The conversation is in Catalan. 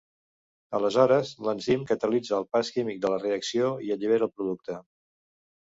Aleshores, l'enzim catalitza el pas químic de la reacció i allibera el producte.